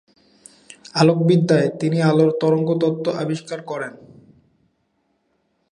আলোকবিদ্যায় তিনি আলোর তরঙ্গ তত্ত্ব আবিষ্কার করেন।